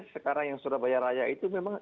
sekarang yang surabaya raya itu memang